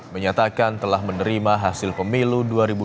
menyatakan telah menerima hasil pemilu dua ribu dua puluh